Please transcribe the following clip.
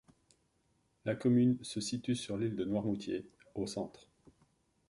La commune se situe sur l'île de Noirmoutier, au centre.